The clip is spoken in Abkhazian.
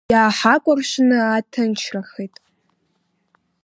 Иааҳакәыршаны ааҭынчрахеит.